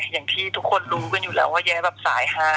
อย่างที่ทุกคนรู้กันอยู่แล้วว่าแย้แบบสายฮาย